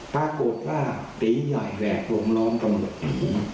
ปรากฏว่าตียายแหวกลมล้อมกำลังผี